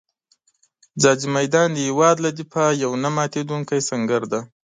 ځاځي میدان د هېواد له دفاع یو نه ماتېدونکی سنګر دی.